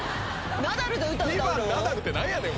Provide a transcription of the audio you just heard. ２番ナダルって何やねん？